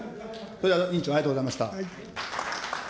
委員長、ありがとうございました。